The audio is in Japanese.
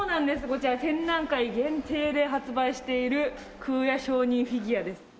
こちら展覧会限定で発売している空也上人フィギュアです。